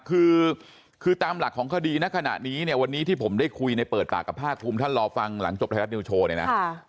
คือคือตามหลักของคดีณขณะนี้เนี่ยวันนี้ที่ผมได้คุยในเปิดปากกับภาคภูมิท่านรอฟังหลังจบไทยรัฐนิวโชว์เนี่ยนะ